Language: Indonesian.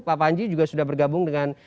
pak panji juga sudah bergabung dengan